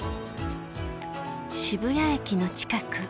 渋谷駅の近く。